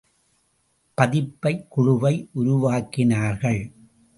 பதிப்புக் குழுவை உருவாக்கினார்கள்.